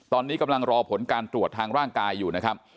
ตอนนี้กำลังรอผลการตรวจทางร่างกายอยู่นะครับ